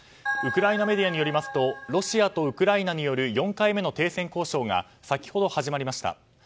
ウクライナメディアによるとロシアとウクライナによる４回目の停戦交渉が先ほど始まりました。